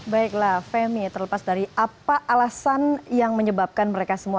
baiklah femi terlepas dari apa alasan yang menyebabkan mereka semua